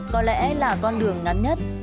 có lẽ là con đường ngắn nhất